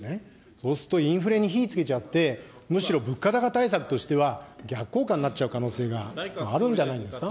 そうすると、インフレに火つけちゃって、むしろ物価高対策としては、逆効果になっちゃう可能性があるんじゃないですか。